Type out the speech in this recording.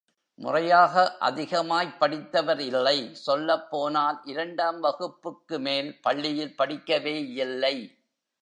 முறையாக அதிகமாய்ப் படித்தவர் இல்லை, சொல்லப்போனால், இரண்டாம் வகுப்புக்கு மேல் பள்ளியில் படிக்கவேயில்லை.